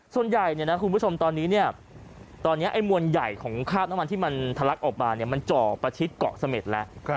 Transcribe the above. ส่วนใหญ่คุณผู้ชมตอนนี้ตอนนี้ไอ้มวลใหญ่ของคราบน้ำมันที่มันทะลักออกมามันเจาะประชิดเกาะเสม็ดแล้ว